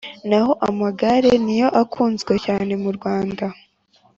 Naho amagare niyo akunzwe cyane murwanda